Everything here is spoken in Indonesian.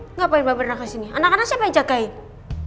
eh ngapain mampir anak kesini anak anak siapa yang jagain